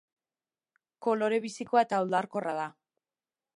Kolore bizikoa eta oldarkorra da.